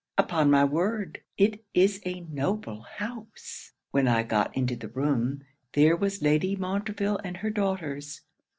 Upon my word it is a noble house! When I got into the room, there was Lady Montreville and her daughters.